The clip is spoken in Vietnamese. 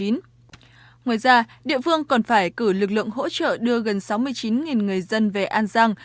ngoài ra địa phương còn phải cử lực lượng hỗ trợ đưa gần sáu mươi chín người dân về an giang